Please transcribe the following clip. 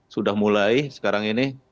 sudah mulai sekarang ini